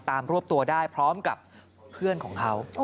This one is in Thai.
รวบตัวได้พร้อมกับเพื่อนของเขา